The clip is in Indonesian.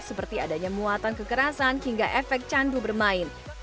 seperti adanya muatan kekerasan hingga efek candu bermain